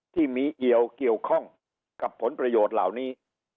ที่มีเอี่ยวเกี่ยวข้องกับผลประโยชน์เหล่านี้